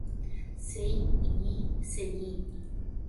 செய் இ செய்யி.